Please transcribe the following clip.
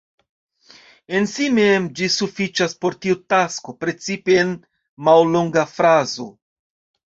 En si mem ĝi sufiĉas por tiu tasko, precipe en mallonga frazo.